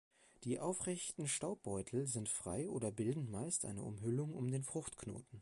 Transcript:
Die aufrechten Staubbeutel sind frei oder bilden meist eine Umhüllung um den Fruchtknoten.